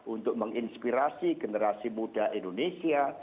untuk menginspirasi generasi muda indonesia